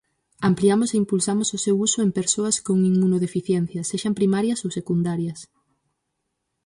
Ampliamos e impulsamos o seu uso en persoas con inmunodeficiencias, sexan primarias ou secundarias.